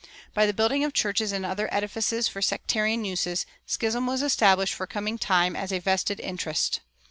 By the building of churches and other edifices for sectarian uses, schism was established for coming time as a vested interest.